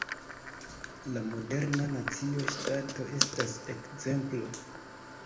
La moderna Nacio-ŝtato estas ekzemplo.